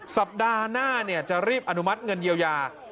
สัปดาห์หน้าจะรีบอนุมัติเงินเยียวยา